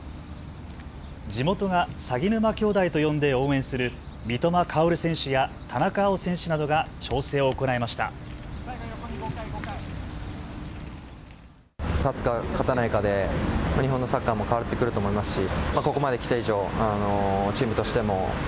地元が鷺沼兄弟と呼んで応援する三笘薫選手や田中碧選手などが調整を行いました。